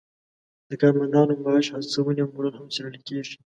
د کارمندانو معاش، هڅونې او مورال هم څیړل کیږي.